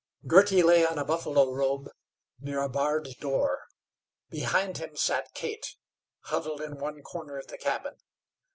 Girty lay on a buffalo robe near a barred door. Beyond him sat Kate, huddled in one corner of the cabin.